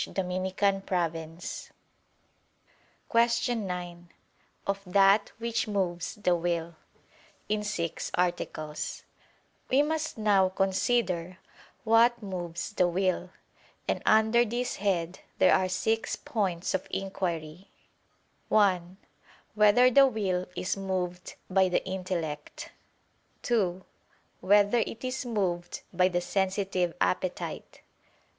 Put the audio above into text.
________________________ QUESTION 9 OF THAT WHICH MOVES THE WILL (In Six Articles) We must now consider what moves the will: and under this head there are six points of inquiry: (1) Whether the will is moved by the intellect? (2) Whether it is moved by the sensitive appetite?